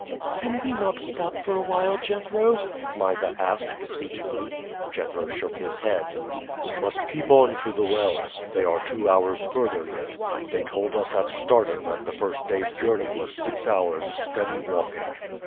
"Can we not stop for awhile, Jethro?" Mysa asked beseechingly. Jethro shook his head. "We must keep on to the wells. They are two hours further yet. They told us at starting that the first day's journey was six hours' steady walking."